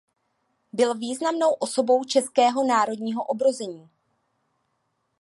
Byl významnou osobou Českého národního obrození.